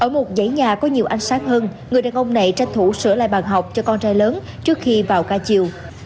ở một dãy nhà có nhiều ánh sáng hơn người đàn ông này tranh thủ sửa lại bàn học cho con trai lớn trước khi vào ca chiều